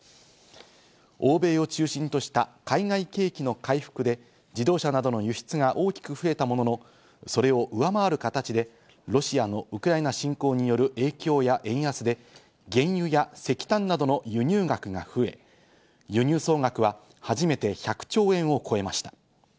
欧米を中心とした海外景気の回復で、自動車などの輸出が大きく増えたものの、それを上回る形でロシアのウクライナ侵攻による影響や円安で、原油や石炭などの輸入額が増え、輸入総額は初めて１００兆円を超えました。